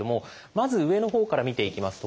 まず上のほうから見ていきますと